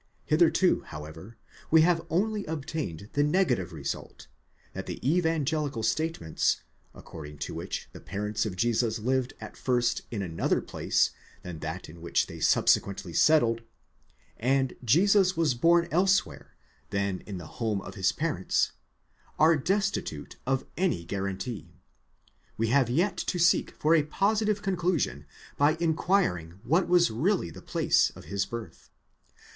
Hitherto, how 'ever, we have only obtained the negative result, that the evangelical state ments, according to which the parents of Jesus lived at first in another place than that in which they subsequently settled, and Jesus was born elsewhere than in the home of his parents, are destitute of any guarantee ; we have yet to seek for a positive conclusion by inquiring what was really the place of his birth.